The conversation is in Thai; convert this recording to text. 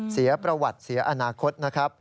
เสียประวัติเสียอนาคต